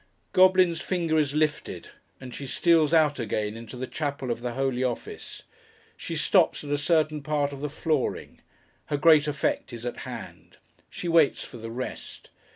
Goblin's finger is lifted; and she steals out again, into the Chapel of the Holy Office. She stops at a certain part of the flooring. Her great effect is at hand. She waits for the rest.